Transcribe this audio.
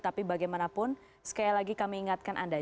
tapi bagaimanapun sekali lagi kami ingatkan anda